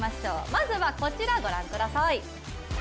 まずはこちら、ご覧ください。